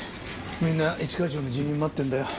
みんな一課長の辞任を待ってるんだよ。